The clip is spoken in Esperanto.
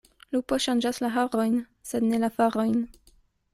Lupo ŝanĝas la harojn, sed ne la farojn.